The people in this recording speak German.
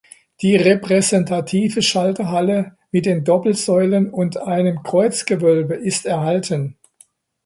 Die repräsentative Schalterhalle mit den Doppelsäulen und einem Kreuzgewölbe ist erhalten.